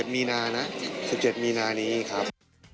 มีนานะ๑๗มีนานี้ครับ